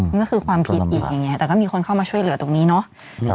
มันก็คือความผิดอีกอย่างนี้แต่ก็มีคนเข้ามาช่วยเหลือตรงนี้เนาะ